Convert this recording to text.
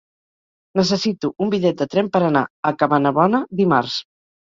Necessito un bitllet de tren per anar a Cabanabona dimarts.